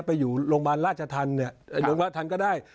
ไปอยู่โรงพยาบาลราชธรรมเนี่ยโรงพยาบาลทันก็ได้